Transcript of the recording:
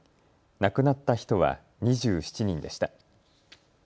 亡くなった人は２７人でした。